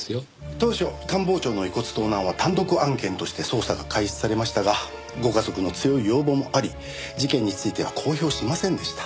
当初官房長の遺骨盗難は単独案件として捜査が開始されましたがご家族の強い要望もあり事件については公表しませんでした。